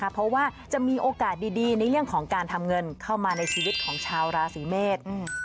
เพราะว่าจะมีโอกาสดีในเรื่องของการทำเงินเข้ามาในชีวิตของชาวราศีเมษ